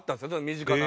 身近な。